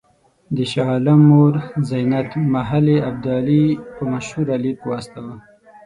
د شاه عالم مور زینت محل ابدالي په مشوره لیک واستاوه.